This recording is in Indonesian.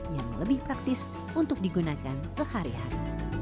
yang lebih praktis untuk digunakan sehari hari